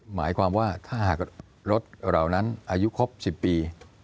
หมายความว่าถ้าหากรถเหล่านั้นอายุครบ๑๐ปี